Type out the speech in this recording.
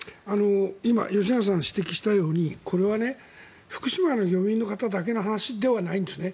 今吉永さんが指摘したようにこれは福島の漁民の方だけの話ではないんですね。